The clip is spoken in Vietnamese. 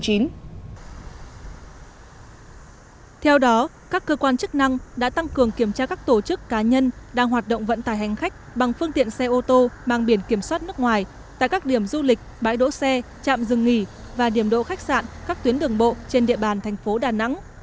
theo đó các cơ quan chức năng đã tăng cường kiểm tra các tổ chức cá nhân đang hoạt động vận tải hành khách bằng phương tiện xe ô tô mang biển kiểm soát nước ngoài tại các điểm du lịch bãi đỗ xe trạm dừng nghỉ và điểm độ khách sạn các tuyến đường bộ trên địa bàn thành phố đà nẵng